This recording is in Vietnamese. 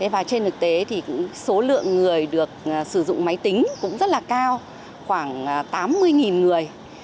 và trên thực tế thì số lượng người được sử dụng máy tính cũng rất là cao khoảng tám mươi người